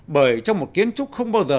bởi trong một kiến trúc không bao giờ